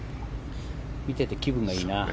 見てて気分がいいな。